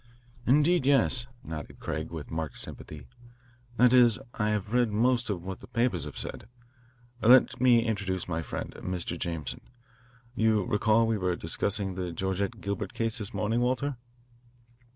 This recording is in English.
"Indeed, yes," nodded Craig with marked sympathy: "that is, I have read most of what the papers have said. Let me introduce my friend, Mr. Jameson. You recall we were discussing the Georgette Gilbert case this morning, Walter?"